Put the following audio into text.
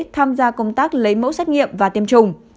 tham gia công tác lấy mẫu xét nghiệm và tiêm chủng